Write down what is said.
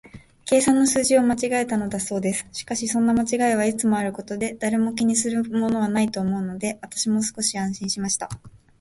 計算の数字を間違えたのだそうです。しかし、そんな間違いはいつもあることで、誰も気にするものはないというので、私も少し安心しました。